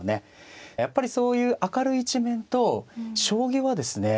やっぱりそういう明るい一面と将棋はですね